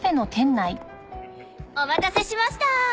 お待たせしました。